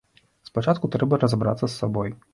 Спачатку трэба разабрацца з сабой.